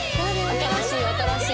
新しい新しい。